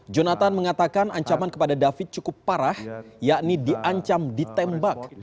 jonathan mengatakan ancaman kepada david cukup parah yakni diancam ditembak